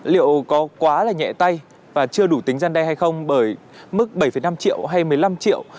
liệu có quá là nhẹ tay và chưa đủ tính gian đe hay không bởi mức bảy năm triệu hay một mươi năm triệu